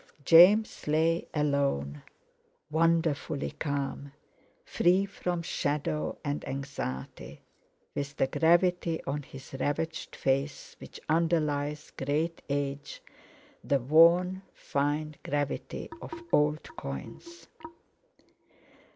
James lay alone, wonderfully calm, free from shadow and anxiety, with the gravity on his ravaged face which underlies great age, the worn fine gravity of old coins.